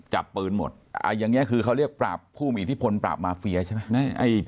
จับปืนหมดอย่างนี้คือเขาเรียกปราบผู้มีอิทธิพลปราบมาเฟียใช่ไหม